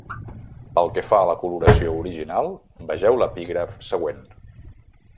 Pel que fa a la coloració original, vegeu l'epígraf següent.